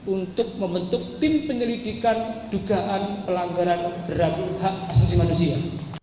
untuk membentuk tim penyelidikan dugaan pelanggaran berat hak asasi manusia